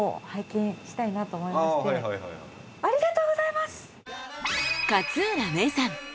ありがとうございます！